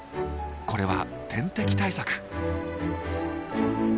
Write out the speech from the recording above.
これは天敵対策。